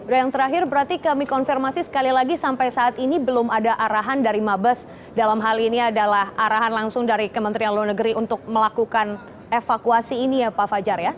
dan yang terakhir berarti kami konfirmasi sekali lagi sampai saat ini belum ada arahan dari mabes dalam hal ini adalah arahan langsung dari kementerian luar negeri untuk melakukan evakuasi ini ya pak fajar ya